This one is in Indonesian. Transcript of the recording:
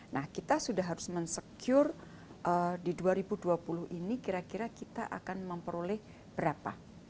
nah kita sudah harus mensecure di dua ribu dua puluh ini kira kira kita akan memperoleh berapa